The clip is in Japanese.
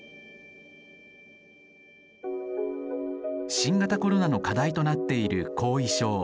新型コロナの課題となっている後遺症。